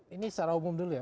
ini secara umum dulu ya